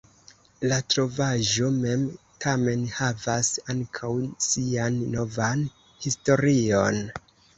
La trovaĵo mem, tamen, havas ankaŭ sian novan historion.